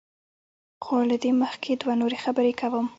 خو له دې مخکې دوه نورې خبرې کوم.